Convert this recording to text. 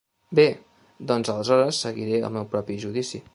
Bé, doncs aleshores seguiré el meu propi judici.